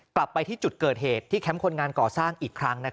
กลับไปที่จุดเกิดเหตุที่แคมป์คนงานก่อสร้างอีกครั้ง